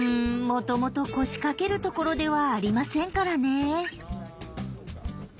もともと腰かけるところではありませんからね。